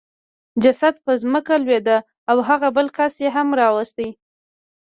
جسد په ځمکه ولوېد او هغه بل کس یې هم راوست